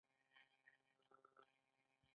دوی دې متن په لوړ مناسب غږ ټولګیوالو په وړاندې ولولي.